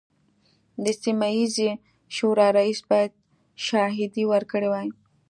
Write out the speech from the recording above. د سیمه ییزې شورا رییس باید شاهدې ورکړي وای.